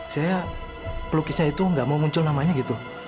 saya pelukisnya itu nggak mau muncul namanya gitu